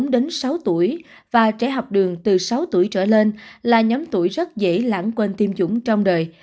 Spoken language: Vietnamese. đến sáu tuổi và trẻ học đường từ sáu tuổi trở lên là nhóm tuổi rất dễ lãng quên tiêm chủng trong đời